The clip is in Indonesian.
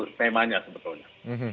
itu temanya sebetulnya